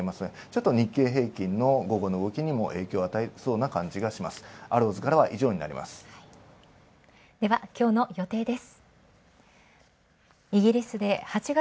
日経平均の午後の動きにも影響を与えそうな気がします。